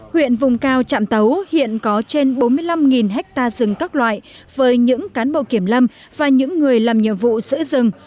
huyện vùng cao trạm tấu hiện có trên bốn mươi năm ha rừng các loại với những cán bộ kiểm lâm và những người làm nhiệm vụ giữ rừng